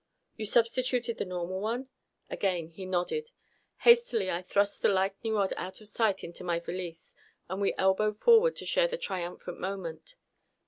"You substituted the normal one?" Again he nodded. Hastily I thrust the lightening rod out of sight into my valise, and we elbowed forward to share the triumphant moment.